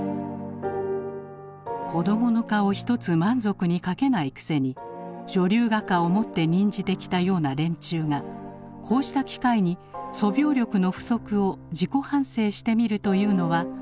「子供の顔ひとつ満足にかけないくせに女流画家をもって任じてきたような連中がこうした機会に素描力の不足を自己反省してみるというのは大いに必要」。